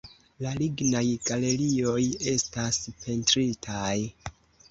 La lignaj galerioj estas pentritaj.